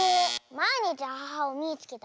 「まいにちアハハをみいつけた！」